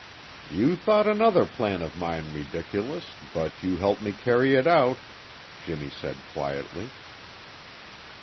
"You thought another plan of mine ridiculous, but you helped me carry it out," Jimmy said quietly.